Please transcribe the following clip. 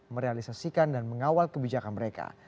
merealisasikan dan mengawal kebijakan mereka